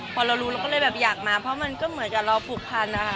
พอเรารู้เราก็เลยแบบอยากมาเพราะมันก็เหมือนกับเราผูกพันนะคะ